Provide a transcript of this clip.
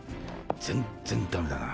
全っ然ダメだな。